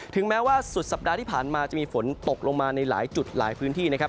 แม้ว่าสุดสัปดาห์ที่ผ่านมาจะมีฝนตกลงมาในหลายจุดหลายพื้นที่นะครับ